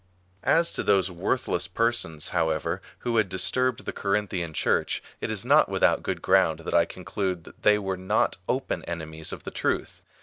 As to those worthless persons, however, who had disturbed the Corinthian Church, it is not without good ground that I conclude that they were not open enemies of the truth.